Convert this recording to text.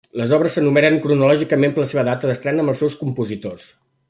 Les obres s'enumeren cronològicament per la seva data d'estrena amb els seus compositors.